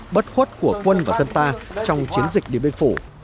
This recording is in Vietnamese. bất khuất của quân và dân ta trong chiến dịch điện biên phủ